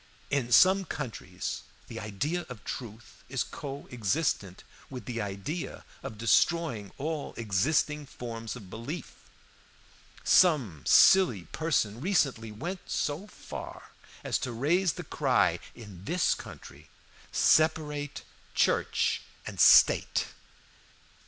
In some countries the idea of truth is coexistent with the idea of destroying all existing forms of belief. Some silly person recently went so far as to raise the cry in this country, 'Separate Church and State!'